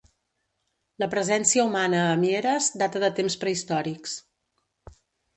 La presència humana a Mieres data de temps prehistòrics.